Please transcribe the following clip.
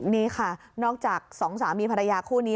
นี่ค่ะนอกจากสองสามีภรรยาคู่นี้